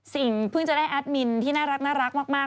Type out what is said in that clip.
เพิ่งจะได้แอดมินที่น่ารักมาก